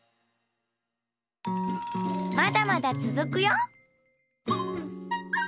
まだまだつづくよ！